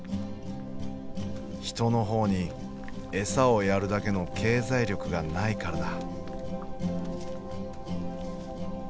人の方に餌をやるだけの経済力がないからだ。